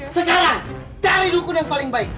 segala cari dukun yang paling baik